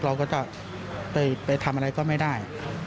เราก็จะไปทำอะไรก็ไม่ได้